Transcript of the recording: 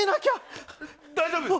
大丈夫？